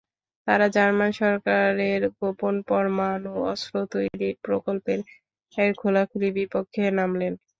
তাঁরা জার্মান সরকারের গোপন পরমাণু অস্ত্র তৈরির প্রকল্পের খোলাখুলি বিপক্ষে নামলেন।